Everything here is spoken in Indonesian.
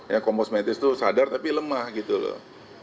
ya komposmentis tuh sadar tapi lemah gitu loh